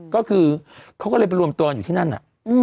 ก็คือเขาก็เลยไปรวมตัวกันอยู่ที่นั่นน่ะ